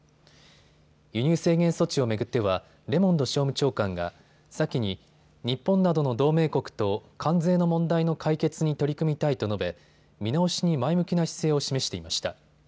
輸入制限措置を巡ってはレモンド商務長官が先に、日本などの同盟国と関税の問題の解決に取り組みたいと述べ、見直しに前向きな姿勢を示していました。